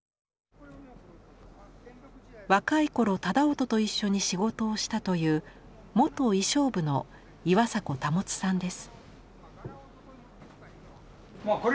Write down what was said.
若い頃楠音と一緒に仕事をしたという元衣装部の岩逧保さんです。